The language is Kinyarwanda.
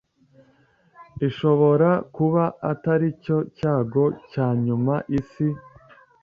ishobora kuba atari cyo cyago cya nyuma isi